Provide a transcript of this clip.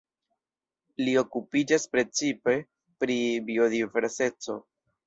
Li okupiĝas precipe pri biodiverseco.